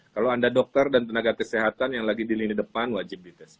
kalau anda dokter dan tenaga kesehatan yang lagi di lini depan wajib dites